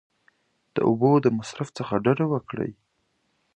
د اوبو د مصرف څخه ډډه وکړئ !